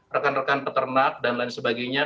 rekan rekan peternak dan lain sebagainya